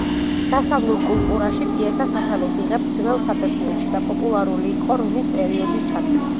დასავლურ კულტურაში პიესა სათავეს იღებს ძველ საბერძნეთში და პოპულარული იყო რომის პერიოდის ჩათვლით.